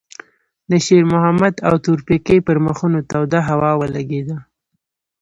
د شېرمحمد او تورپيکۍ پر مخونو توده هوا ولګېده.